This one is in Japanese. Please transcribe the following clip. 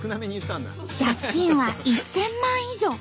借金は１，０００万以上。